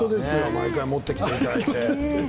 毎回持ってきていただいて。